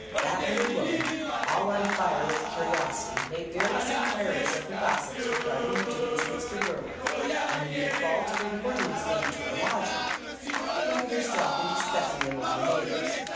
That little woman, all on fire with curiosity, made various inquiries of her gossips regarding the doings of Mr. Berwin, and in default of reporting the same to her lodger, occupied herself in discussing them with her neighbours.